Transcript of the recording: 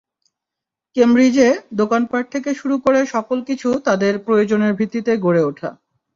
কেমব্রিজে দোকানপাট থেকে শুরু করে সকল কিছু তাদের প্রয়োজনের ভিত্তিতে গড়ে ওঠা।